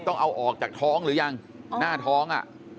ต้องเอาออกจากท้องหรือยังหน้าท้องอ่ะ